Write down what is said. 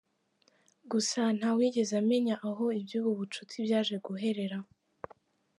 Gusa ntawigeze amenya aho iby’ubu bucuti byaje guherera.